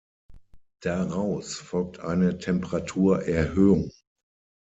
Daraus folgt eine Temperaturerhöhung.